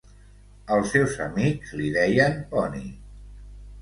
Els seus amics li deien "Pony".